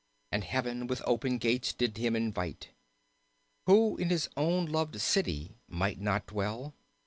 And heaven with open gates did him invite. Who in his own loved city might not dwell.